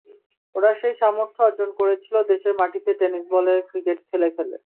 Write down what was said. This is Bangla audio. ওরা সেই সামর্থ্য অর্জন করেছিল দেশের মাটিতে টেনিস বলের ক্রিকেট খেলে খেলে।